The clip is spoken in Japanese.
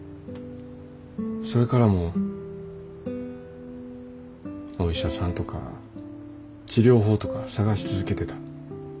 それからもお医者さんとか治療法とか探し続けてた。